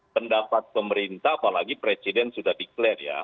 pendapat pemerintah apalagi presiden sudah di clear ya